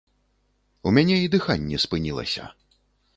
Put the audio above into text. У мяне і дыханне спынілася.